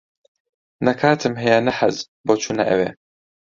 نە کاتم ھەیە نە حەز، بۆ چوونە ئەوێ.